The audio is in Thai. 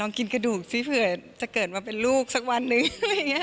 ลองกินกระดูกสิเผื่อจะเกิดมาเป็นลูกสักวันนึง